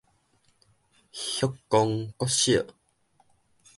旭光國小